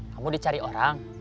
kamu dicari orang